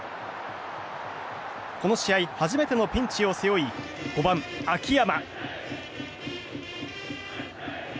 この試合初めてのピンチを背負い５番、秋山。